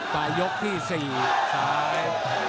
ต่อยกที่สี่ซ้าย